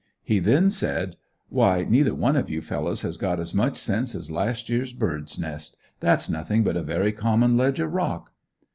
He then said: "Why neither one of you fellows has got as much sense as a last year's bird's nest; that's nothing but a very common ledge of rock."